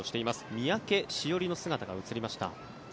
三宅史織の姿が映りました。